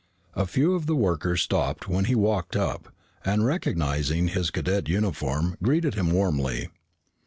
A few of the workers stopped when he walked up, and recognizing his cadet uniform, greeted him warmly.